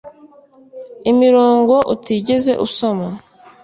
imirongo utigeze usoma